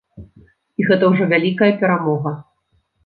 І гэта ўжо вялікая перамога!